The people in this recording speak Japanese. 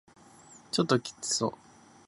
ちょっときつそう